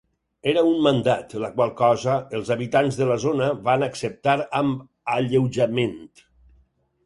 Era un mandat, la qual cosa els habitants de la zona van acceptar amb alleujament.